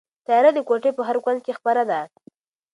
تیاره د کوټې په هر کونج کې خپره ده.